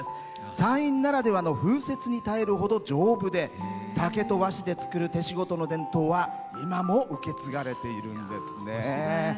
山陰ならではの風雪に耐えるほど丈夫で、竹と和紙で作るものが今も続いているんですね。